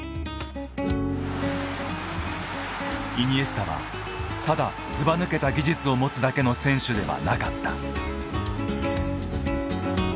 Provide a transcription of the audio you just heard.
イニエスタはただずばぬけた技術を持つだけの選手ではなかった。